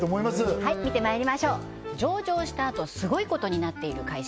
はい見てまいりましょう上場したあとスゴいことになっている会社